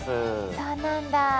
そうなんだ。